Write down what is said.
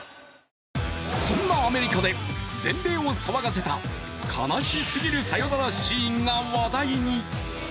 そんなアメリカで全米を騒がせた悲しすぎるサヨナラシーンが話題に。